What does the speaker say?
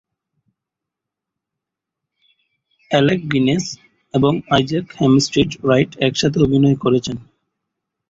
Alec Guinness এবং Isaac Hempstead Wright একসাথে অভিনয় করেছেন।